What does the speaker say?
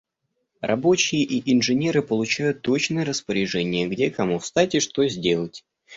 Рабочие и инженеры получают точное распоряжение, где кому встать и что сделать.